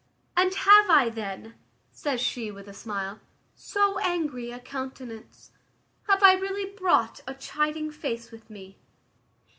"And have I then," says she, with a smile, "so angry a countenance? Have I really brought a chiding face with me?"